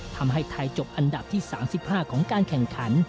ทำให้ไทยจบอันดับที่๓๕ของการแข่งขัน